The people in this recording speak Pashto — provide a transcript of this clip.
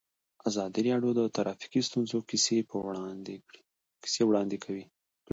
ازادي راډیو د ټرافیکي ستونزې کیسې وړاندې کړي.